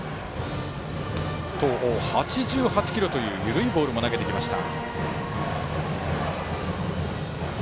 ８８キロという緩いボールも投げてきました。